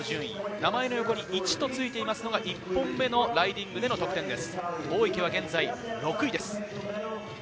名前の横に１とついているのが、１本目のライディングでの得点です。